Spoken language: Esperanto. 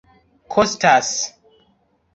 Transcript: kostas